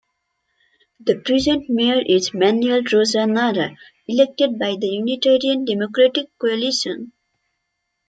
The present Mayor is Manuel Rosa Narra, elected by the Unitarian Democratic Coalition.